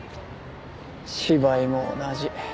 芝居も同じ。